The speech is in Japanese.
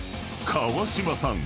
［川島さん